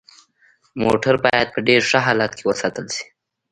موټر باید په ډیر ښه حالت کې وساتل شي